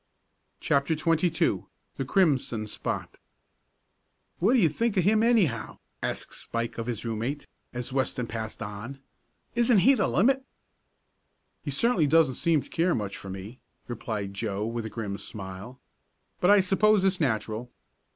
CHAPTER XXII THE CRIMSON SPOT "What do you think of him, anyhow?" asked Spike of his room mate, as Weston passed on. "Isn't he the limit!" "He certainly doesn't seem to care much for me," replied Joe, with a grim smile. "But I suppose it's natural.